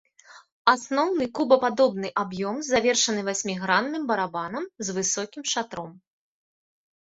Асноўны кубападобны аб'ём завершаны васьмігранным барабанам з высокім шатром.